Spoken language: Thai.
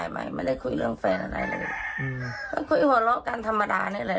ไม่ไม่ได้คุยเรื่องแฟนอะไรเลยเขาคุยหัวโลกกันธรรมดานี่เลย